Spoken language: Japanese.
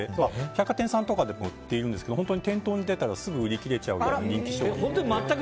百貨店さんとかでも売っているんですけど本当に店頭に出たらすぐ売れちゃうような人気商品。